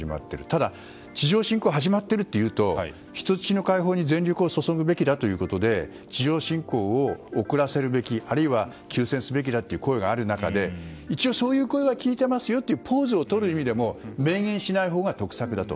ただ、地上侵攻が始まっているというと人質の解放に全力を注ぐべきだということで地上侵攻を遅らせるべき、あるいは休戦すべきという声がある中一応、そういう声は聞いていますよというポーズをとる意味でも明言しないほうが得策だと。